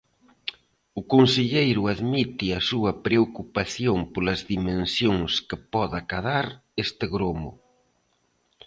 O conselleiro admite a súa preocupación polas dimensións que pode acadar este gromo.